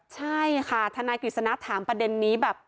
ใช่ค่ะธนากิจสนาธารณ์ถามประเด็นนี้แบบ